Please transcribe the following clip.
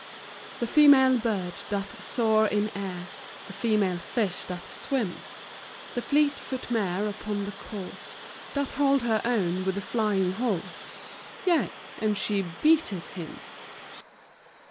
The female bird doth soar in air; The female fish doth swim; The fleet foot mare upon the course Doth hold her own with the flying horse Yea and she beateth him!